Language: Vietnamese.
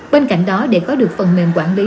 bên cạnh đó để có được phần mềm quản lý